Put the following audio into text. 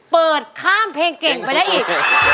เปิดข้ามเพลงเก่งไปได้อีก